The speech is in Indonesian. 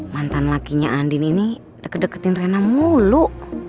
mantan lakinya andin ini deket deketin rena mulu